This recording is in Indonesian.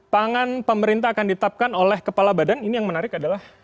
pangan pemerintah akan ditapkan oleh kepala badan ini yang menarik adalah